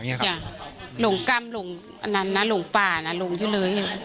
ปกติพี่สาวเราเนี่ยครับเป็นคนเชี่ยวชาญในเส้นทางป่าทางนี้อยู่แล้วหรือเปล่าครับ